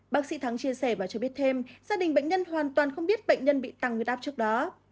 bác sĩ thắng chia sẻ và cho biết thêm gia đình bệnh nhân hoàn toàn không biết bệnh nhân bị tăng huyết áp trước đó